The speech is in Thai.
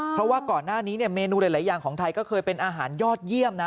เพราะว่าก่อนหน้านี้เนี่ยเมนูหลายอย่างของไทยก็เคยเป็นอาหารยอดเยี่ยมนะ